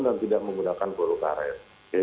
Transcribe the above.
dan tidak menggunakan peluru karet